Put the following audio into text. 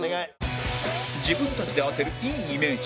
自分たちで当てるいいイメージ